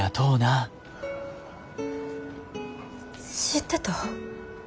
知ってた？